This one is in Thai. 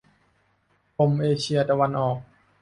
กรมเอเชียตะวันออก